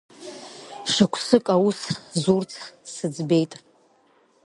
Шықәсык аус зурц сыӡбеит.